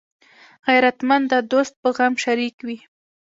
غیرتمند د دوست په غم کې شریک وي